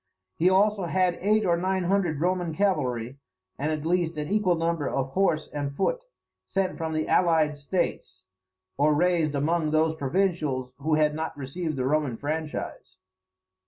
He had also eight or nine hundred Roman cavalry, and at least an equal number of horse and foot sent from the allied states, or raised among those provincials who had not received the Roman franchise.